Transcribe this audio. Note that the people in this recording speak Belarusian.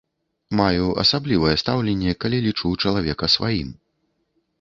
Маю асаблівае стаўленне, калі лічу чалавека сваім.